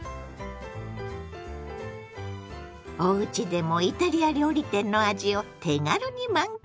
おうちでもイタリア料理店の味を手軽に満喫！